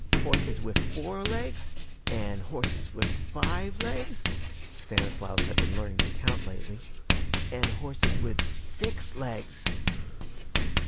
Horses wif four legs, an' horses wif five legs, ' Stanislaus had been learning to count lately, 'an' horses wif six legs.'